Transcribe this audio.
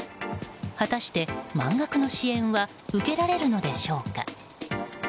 果たして満額の支援は受けられるのでしょうか。